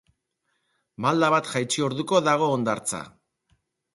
Malda bat jaitsi orduko dago hondartza.